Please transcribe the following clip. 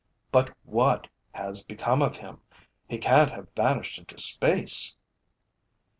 "But what has become of him? He can't have vanished into space."